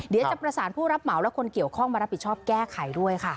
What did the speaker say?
เดี๋ยวจะประสานผู้รับเหมาและคนเกี่ยวข้องมารับผิดชอบแก้ไขด้วยค่ะ